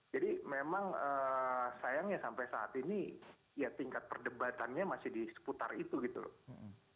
jadi memang sayangnya sampai saat ini ya tingkat perdebatannya masih di seputar itu gitu loh